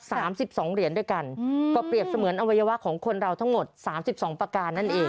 สิบสองเหรียญด้วยกันอืมก็เปรียบเสมือนอวัยวะของคนเราทั้งหมดสามสิบสองประการนั่นเอง